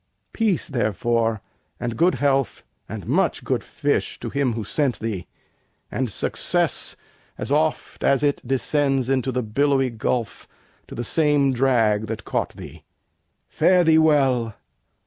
Peace, therefore, and good health, and much good fish, To him who sent thee! and success, as oft As it descends into the billowy gulf, To the same drag that caught thee! Fare thee well!